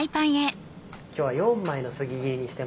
今日は４枚のそぎ切りしてます。